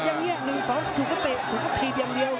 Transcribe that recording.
ยังเงียบ๑๒ยุบก็เตะยุบก็ทีบอย่างเดียว